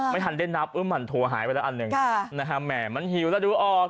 ไม่ทันได้นับมันโทรหายไปแล้วอันหนึ่งแหม่มันหิวแล้วดูออก